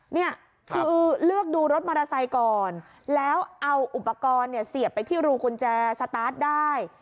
นี่คือเลือกดูรถมอเตอร์ไซค์ก่อนแล้วเอาอุปกรณ์เนี่ยเสียบไปที่รูกุญแจสตาร์ทได้